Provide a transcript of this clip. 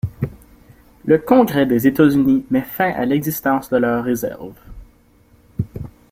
Le Congrès des États-Unis met fin à l'existence de leurs réserves.